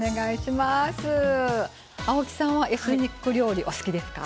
青木さんはエスニック料理お好きですか？